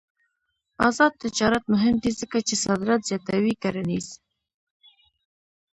آزاد تجارت مهم دی ځکه چې صادرات زیاتوي کرنيز.